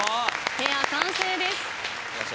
ペア完成です。